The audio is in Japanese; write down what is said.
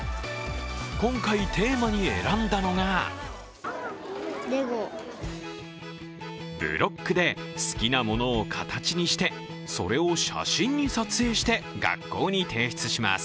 今回、テーマに選んだのがブロックで好きなものを形にしてそれを写真に撮影して学校に提出します。